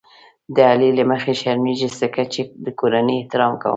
د علي له مخې شرمېږم ځکه یې د کورنۍ احترام کوم.